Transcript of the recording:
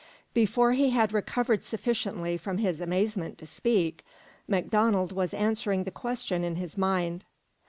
Before he had recovered sufficiently from his amazement to speak, MacDonald was answering the question in his mind.